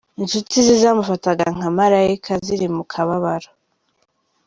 Inshuti ze zamufataga nka “malayika” ziri mu kababaro.